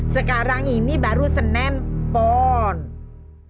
sekarang ini baru senin pon